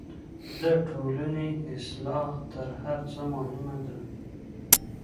د ټولني اصلاح تر هر څه مهمه ده.